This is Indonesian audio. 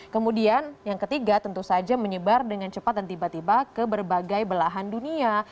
kemudian yang ketiga tentu saja menyebar dengan cepat dan tiba tiba ke berbagai belahan dunia